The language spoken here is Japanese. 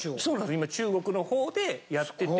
今中国のほうでやってて。